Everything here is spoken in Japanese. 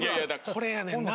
これやねんな。